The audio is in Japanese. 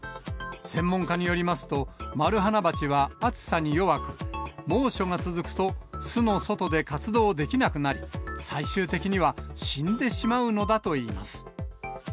専門家によりますと、マルハナバチは暑さに弱く、猛暑が続くと巣の外で活動できなくなり、最終的には死んでしまうのだといいます。